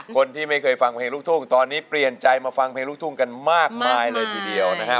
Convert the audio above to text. คนที่ไม่เคยฟังเพลงลูกทุ่งตอนนี้เปลี่ยนใจมาฟังเพลงลูกทุ่งกันมากมายเลยทีเดียวนะฮะ